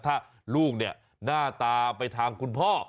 ถ้าลูกเนี่ยหน้าตาไปทางคุณพ่อ